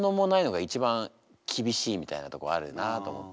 みたいなとこあるよなと思って。